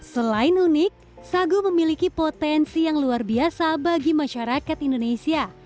selain unik sagu memiliki potensi yang luar biasa bagi masyarakat indonesia